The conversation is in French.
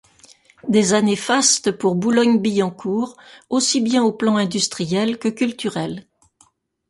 Des années fastes pour Boulogne-Billancourt, aussi bien au plan industriel que culturel.